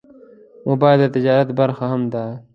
موبایل د تجارت برخه هم ده.